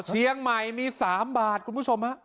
เชียงใหม่มี๓บาทคุณผู้ชมฮะ